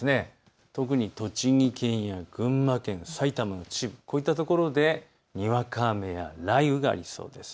特に栃木県や群馬県、埼玉の秩父、こういったところでにわか雨や雷雨がありそうです。